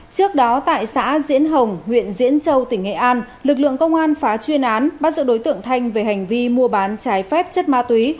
trước đó tại xã diễn hồng huyện diễn châu tỉnh nghệ an lực lượng công an phá chuyên án bắt giữ đối tượng thanh về hành vi mua bán trái phép chất ma túy